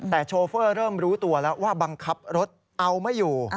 แต่โชเฟอร์เริ่มรู้ตัวแล้วว่าบังคับรถเอาไม่อยู่